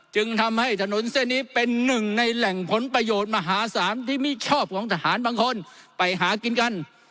จึงทำให้ถนนเส้นนี้เป็นหนึ่งในแหล่งผลประโยชน์มหาศาลที่มิชอบของทหารบางคนไปหากินกัน